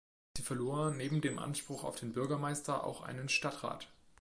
Sie verlor neben dem Anspruch auf den Bürgermeister auch einen Stadtrat.